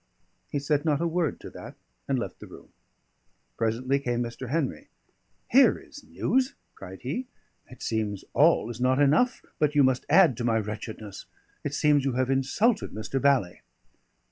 He said not a word to that, and left the room. Presently came Mr. Henry. "Here is news!" cried he. "It seems all is not enough, and you must add to my wretchedness. It seems you have insulted Mr. Bally."